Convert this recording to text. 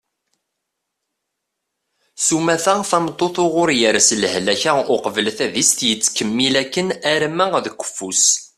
sumata tameṭṭut uɣur yers lehlak-a uqbel tadist yettkemmil akken arma d keffu-s